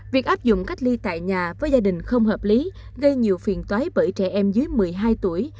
việc áp dụng cách ly tại nhà với gia đình không hợp lý gây nhiều phiền toái bởi trẻ em dưới một mươi hai tuổi